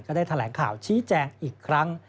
ได้แถลงข่าวชี้แจงอีกครั้ง